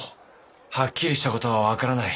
はっきりしたことは分からない。